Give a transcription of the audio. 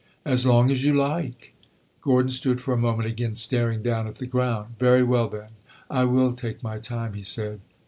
"As long as you like!" Gordon stood for a moment again staring down at the ground. "Very well, then, I will take my time," he said.